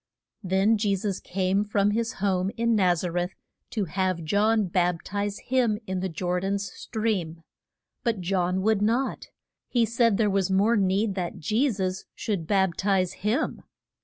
Then Je sus came from his home in Naz a reth to have John bap tize him in Jor dan's stream. But John would not. He said there was more need that Je sus should bap tize him.